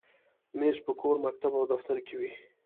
مېز په کور، مکتب، او دفتر کې وي.